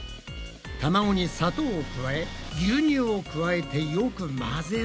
たまごに砂糖を加え牛乳を加えてよく混ぜる。